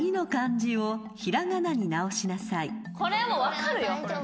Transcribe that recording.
これはもう分かるよ。